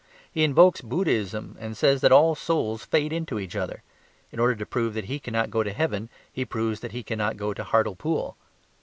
He invokes Buddhism and says that all souls fade into each other; in order to prove that he cannot go to heaven he proves that he cannot go to Hartlepool.